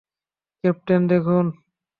Captain, দেখুন।